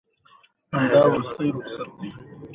واړه عشق دی چې يې سر راته ګياه کړ.